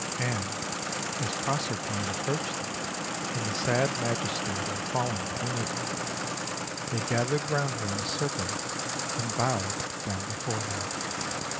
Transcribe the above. And as Proserpine approached them, in the sad majesty of her fallen divinity, they gathered round her in a circle and bowed down before her.